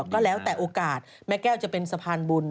ก็แล้วแต่โอกาสแม่แก้วจะเป็นสะพานบุญ